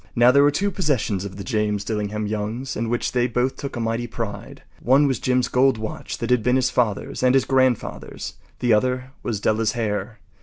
Now, there were two possessions of the James Dillingham Youngs in which they both took a mighty pride. One was Jim’s gold watch that had been his father’s and his grandfather’s. The other was Della’s hair.